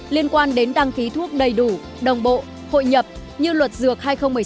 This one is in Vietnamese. liên quan đến đăng ký thuốc đầy đủ đồng bộ hội nhập như luật dược hai nghìn một mươi sáu